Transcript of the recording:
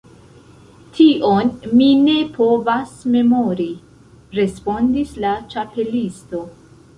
"Tion mi ne povas memori," respondis la Ĉapelisto.